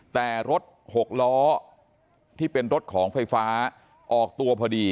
แต่รถหกล้อที่เป็นรถของไฟฟ้าออกตัวพอดี